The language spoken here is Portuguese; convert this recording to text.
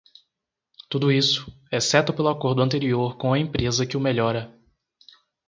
Tudo isso, exceto pelo acordo anterior com a empresa que o melhora.